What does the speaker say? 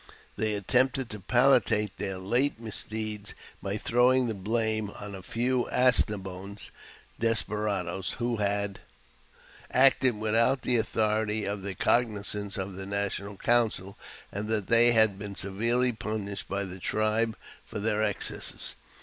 They attempted to palliate their late misdeeds by throwing the blame on a few As ne boine desperadoes, who had acted without the authority or cognizance of the national council, and that they had been severely punished by the tribe for their excesses.